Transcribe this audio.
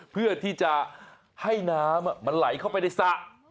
เพื่อที่จะให้น้ำมันไหลเข้าไปในสระ